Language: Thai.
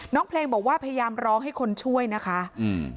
น้องเพลงบอกว่าพยายามร้องให้คนช่วยนะคะอืม